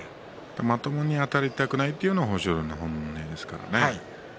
まともにあたりたくないというのは豊昇龍の方ですね。